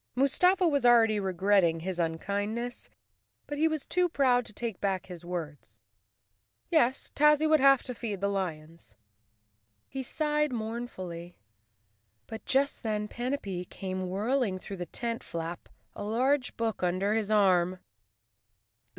Mustafa was already regretting his unkindness, but he was too proud to take back his words. Yes, Tazzy would have to feed the lions. He sighed mournfully; but just then Panapee came whirling through the tent flap, a large book un¬ der his arm.